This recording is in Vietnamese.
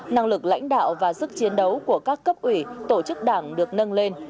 năng lực lãnh đạo và sức chiến đấu của các cấp ủy tổ chức đảng được nâng lên